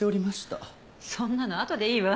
そんなのあとでいいわ。